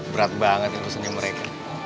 berat banget kesannya mereka